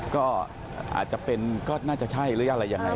ก็อาจจะเป็นก็น่าจะใช่หรืออะไรยังไง